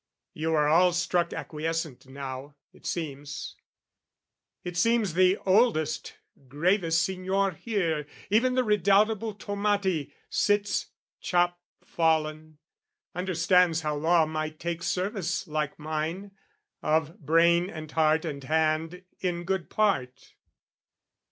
You are all struck acquiescent now, it seems: It seems the oldest, gravest signor here, Even the redoubtable Tommati, sits Chop fallen, understands how law might take Service like mine, of brain and heart and hand, In good part.